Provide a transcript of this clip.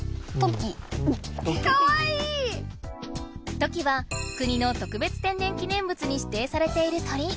トキは国の特別天然記念物に指定されている鳥。